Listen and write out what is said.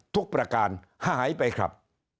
ประการหายไปครับ